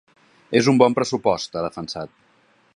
És un bon pressupost, ha defensat.